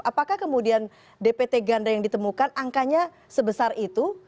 apakah kemudian dpt ganda yang ditemukan angkanya sebesar itu